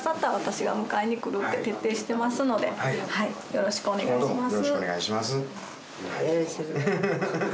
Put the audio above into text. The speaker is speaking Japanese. よろしくお願いします。